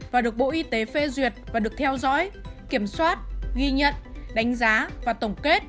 và được bộ y tế phê duyệt và được theo dõi kiểm soát ghi nhận đánh giá và tổng kết